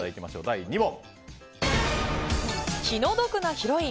第２問。